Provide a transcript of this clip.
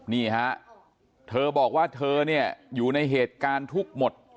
นี่ฮะเธอบอกว่าเธอเนี่ยอยู่ในเหตุการณ์ทุกข์หมด